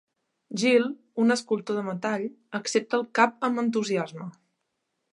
Jill, un escultor de metall, accepta el cap amb entusiasme.